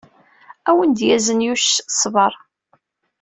Ad awen-d-yazen Yuc ṣṣber.